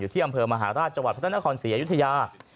ที่อำเภอมหาราชจังหวัดพระนครศรีอยุธยา